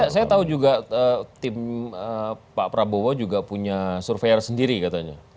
saya tahu juga tim pak prabowo juga punya survei sendiri katanya